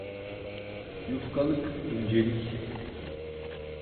Yufkalık, incelik.